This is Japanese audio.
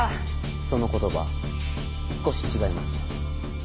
その言葉少し違いますね。